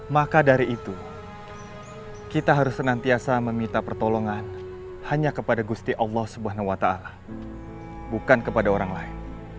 maka dari itu kita harus senantiasa meminta pertolongan hanya kepada gusti allah swt bukan kepada orang lain